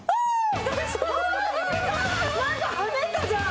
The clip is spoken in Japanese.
なんか跳ねたじゃん！